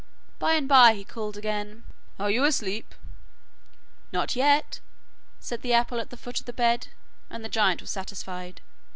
By and bye he called again. 'Are you asleep?' 'Not yet,' said the apple at the foot of the bed, and the giant was satisfied.